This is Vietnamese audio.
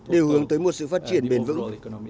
đều hướng tới một sự phát triển bền vững